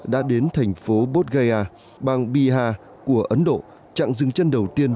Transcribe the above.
đã đến thành phố bodh gaya bang bihar của ấn độ trạng dừng chân đầu tiên